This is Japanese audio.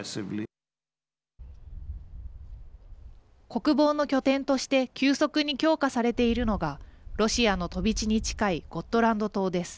国防の拠点として急速に強化されているのがロシアの飛び地に近いゴットランド島です。